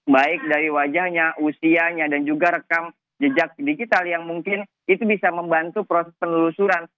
baik dari wajahnya usianya dan juga rekam jejak digital yang mungkin itu bisa membantu proses penelusuran